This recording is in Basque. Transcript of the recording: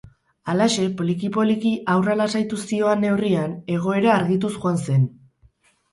Halaxe, poliki-poliki haurra lasaituz zihoan neurrian, egoera argituz joan zen.